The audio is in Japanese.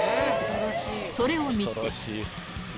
それを見て。